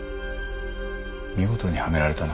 見事にはめられたな。